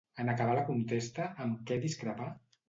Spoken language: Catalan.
En acabar la contesta, amb què discrepà?